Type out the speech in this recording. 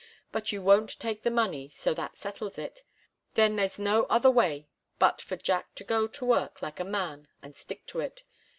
But you won't take the money, so that settles it. Then there's no other way but for Jack to go to work like a man and stick to it.